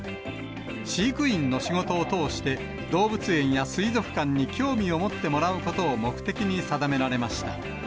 飼育員の仕事を通して、動物園や水族館に興味を持ってもらうことを目的に定められました。